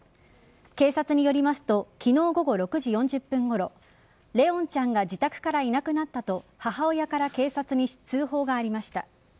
警察によりますと昨日午後６時４０分ごろ怜音ちゃんが自宅からいなくなったと母親から警察に通報がありました。